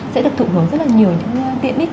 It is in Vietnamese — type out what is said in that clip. sẽ được thụ nối rất là nhiều những tiện bích